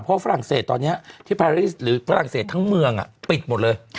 เพราะฝรั่งเศสตอนนี้ที่พาริสหรือฝรั่งเศสทั้งเมืองปิดหมดเลย